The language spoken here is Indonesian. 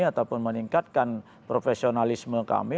ataupun meningkatkan profesionalisme kami